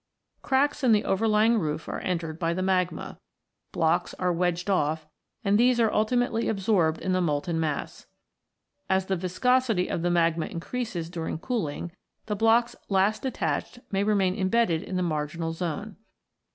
Cracks in the overlying roof are entered by the magma, blocks are wedged off, and these are ultimately absorbed in the molten mass. As the viscosity of the magma increases during cooling, the blocks last detached may remain embedded in the marginal zone.